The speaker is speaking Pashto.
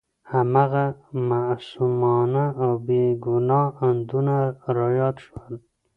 هماغه معصومانه او بې ګناه اندونه را یاد شول.